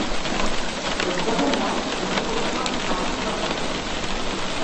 Hezeguneak mundu osoan arriskuan daude.